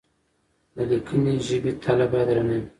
د ليکنۍ ژبې تله بايد درنه وي.